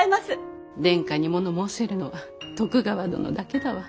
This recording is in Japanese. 殿下にもの申せるのは徳川殿だけだわ。